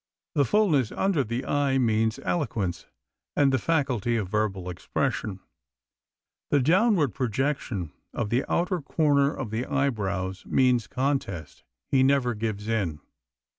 The fullness under the eye means eloquence and the faculty of verbal expression. The downward projection of the outer corner of the eyebrows means contest he never gives in.